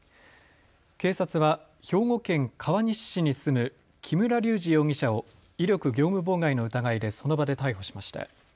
警察は兵庫県川西市に住む木村隆二容疑者を威力業務妨害の疑いでその場で逮捕しました。